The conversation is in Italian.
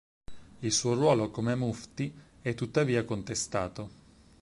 Il suo ruolo come mufti è tuttavia contestato.